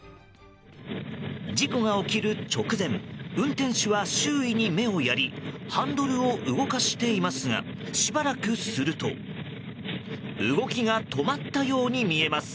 事故が起きる直前運転手は周囲に目をやりハンドルを動かしていますがしばらくすると動きが止まったように見えます。